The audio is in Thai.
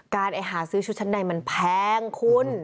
การไปหาซื้อชุดชั้นในมันแพงคุณ